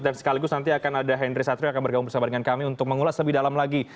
dan sekaligus nanti akan ada henry satrio yang akan bergabung bersama dengan kami untuk mengulas lebih dalam lagi